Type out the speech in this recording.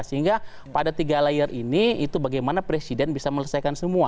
sehingga pada tiga layer ini itu bagaimana presiden bisa melesaikan semua